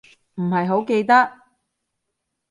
唔係好記得